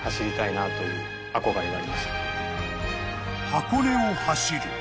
［箱根を走る］